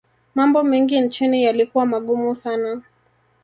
mambo mengi nchini yalikuwa magumu sana